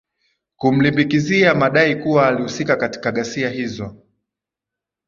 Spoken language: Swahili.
kumlimbikizia madai kuwa alihusika katika ghasia hizo